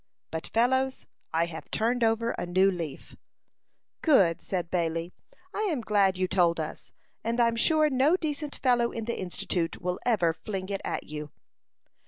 "But, fellows, I have turned over a new leaf." "Good!" said Bailey. "I am glad you told us; and I'm sure no decent fellow in the Institute will ever fling it at you."